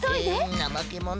ナマケモノ